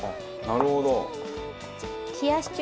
なるほど。